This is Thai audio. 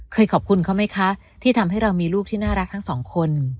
ขอบคุณเขาไหมคะที่ทำให้เรามีลูกที่น่ารักทั้งสองคน